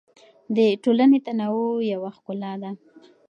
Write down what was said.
د ټولنې تنوع یو ښکلا ده.